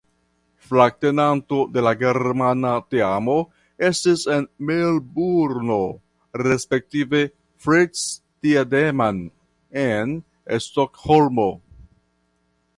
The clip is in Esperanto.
Flagtenanto de la germana teamo estis en Melburno respektive Fritz Thiedemann en Stokholmo.